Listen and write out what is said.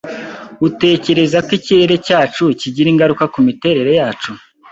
Utekereza ko ikirere cyacu kigira ingaruka kumiterere yacu?